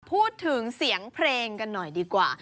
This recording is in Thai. พูดถึงเสียงเพลงกันหน่อยดีกว่า